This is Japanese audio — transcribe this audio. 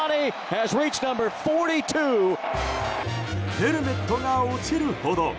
ヘルメットが落ちるほど！